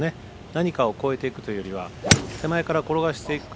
何かを越えていくというよりは手前から転がしていく。